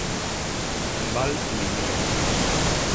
Val Miñor.